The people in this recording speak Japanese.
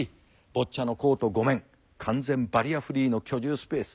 ボッチャのコート５面完全バリアフリーの居住スペース。